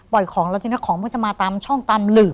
ปล่อยของแล้วจริงของมันจะมาตามช่องตามหลื่อ